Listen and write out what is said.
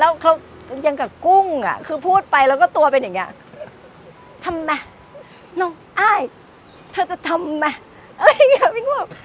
แล้วเขายังกับกุ้งอ่ะคือพูดไปแล้วก็ตัวเป็นอย่างนี้ทำไมน้องอ้ายเธอจะทำไหมเอ้ยเนี่ยวิ่งบอก